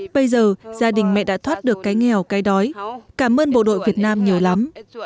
bây giờ gia đình mẹ đã thoát được cái nghèo cái đói cảm ơn bộ đội việt nam nhiều lắm